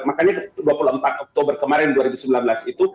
makanya dua puluh empat oktober kemarin dua ribu sembilan belas itu